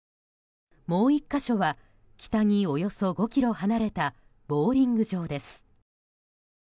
もう１か所は北におよそ５ｋｍ離れたボウリング場です。